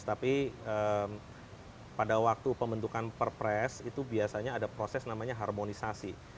tapi pada waktu pembentukan perpres itu biasanya ada proses namanya harmonisasi